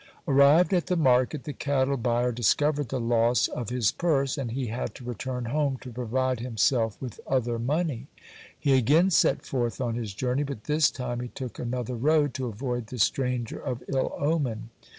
Arrived at the market, the cattle buyer discovered the loss of his purse, and he had to return home to provide himself with other money. He again set forth on his journey, but this time he took another road to avoid the stranger of ill omen.